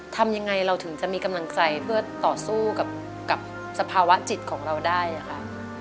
ทำยังไงเราถึงจะมีกำลังใจเพื่อต่อสู้กับสภาวะจิตของเราได้ค่ะ